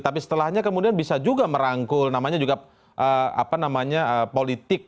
tapi setelahnya kemudian bisa juga merangkul namanya juga apa namanya politik